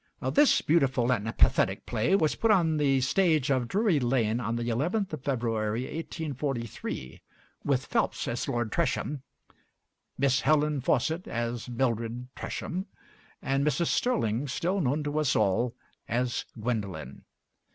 This beautiful and pathetic play was put on the stage of Drury Lane on the 11th of February, 1843, with Phelps as Lord Tresham, Miss Helen Faucit as Mildred Tresham, and Mrs. Stirling, still known to us all, as Guendolen.